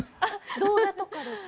動画とかですか？